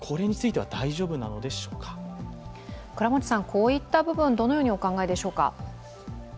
こういった部分、どのようにお考えでしょうか。